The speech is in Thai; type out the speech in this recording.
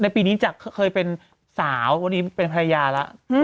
ปีนี้จากเคยเป็นสาววันนี้เป็นภรรยาแล้ว